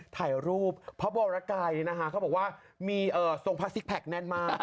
ถ่ายรูปพระบรกายเขาบอกว่ามีทรงพระซิกแพคแน่นมาก